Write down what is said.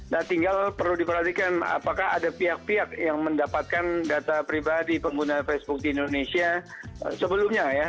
nah tinggal perlu diperhatikan apakah ada pihak pihak yang mendapatkan data pribadi pengguna facebook di indonesia sebelumnya ya